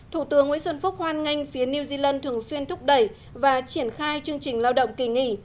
thủ tướng nguyễn xuân phúc hoan nghênh phía new zealand thường xuyên thúc đẩy và triển khai chương trình lao động kỳ nghỉ